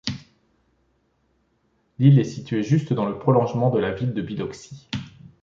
L'île est située juste dans le prolongement de la ville de Biloxi.